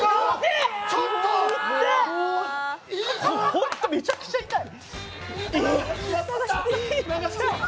ホントめちゃくちゃ痛い。